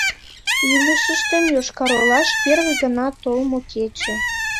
— Илышыштем Йошкар-Олаш первый гана толмо кече.